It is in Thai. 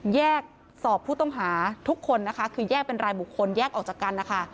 แยกสอบผู้ต้องหาทุกคนนะคะคือแยกเป็นรายบุคคลแยกออกจากกันนะคะ